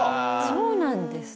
そうなんですね。